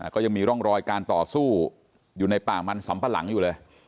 ก็ยังมีร่องรอยการต่อสู้อยู่ในป่ามันสำปะหลังอยู่เลย